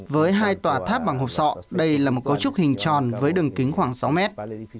với hai tòa tháp bằng hộp sọ đây là một cấu trúc hình tròn với đường kính khoảng sáu mét